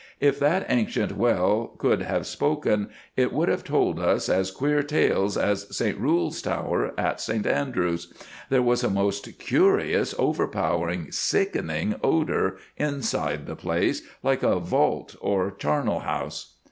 If that ancient well could have spoken it would have told us as queer tales as St Rule's Tower at St Andrews. There was a most curious, overpowering, sickening odour inside the place, like a vault or charnel house."